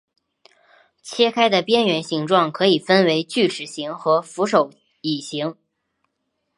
切开的边缘形状可以分为锯齿形和扶手椅形。